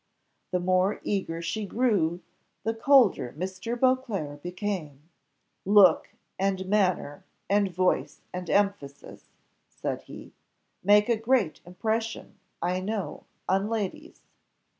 The more eager she grew, the colder Mr. Beauclerc became. "Look and manner, and voice and emphasis," said he, "make a great impression, I know, on ladies."